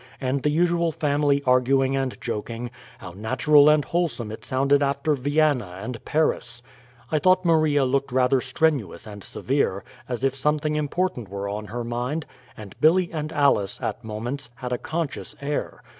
and the usual family arguing and joking (how natural and wholesome it sounded after Vienna and Paris!). I thought Maria looked rather strenuous and severe, as if something important were on her mind, and Billy and Alice, at moments, had a conscious air.